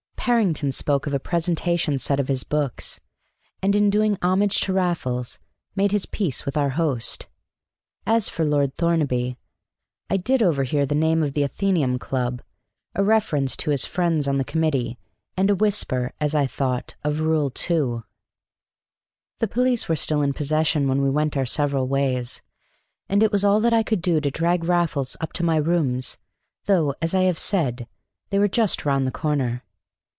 Parrington spoke of a presentation set of his books, and in doing homage to Raffles made his peace with our host. As for Lord Thornaby, I did overhear the name of the Athenæum Club, a reference to his friends on the committee, and a whisper (as I thought) of Rule II. The police were still in possession when we went our several ways, and it was all that I could do to drag Raffles up to my rooms, though, as I have said, they were just round the corner.